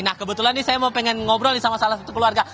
nah kebetulan ini saya mau pengen ngobrol nih sama salah satu keluarga